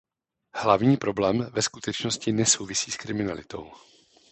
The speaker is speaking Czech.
Hlavní problém ve skutečnosti nesouvisí s kriminalitou.